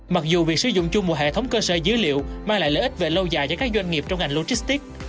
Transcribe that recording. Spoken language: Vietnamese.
mặc dù việc sử dụng chung một hệ thống cơ sở dữ liệu mang lại lợi ích về lâu dài cho các doanh nghiệp trong ngành logistics